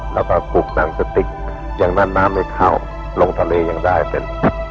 แล้วก็ปลูกหนังสติ๊กอย่างนั้นน้ำไม่เข้าลงทะเลยังได้เป็น